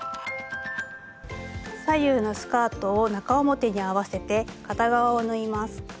左右のスカートを中表に合わせて片側を縫います。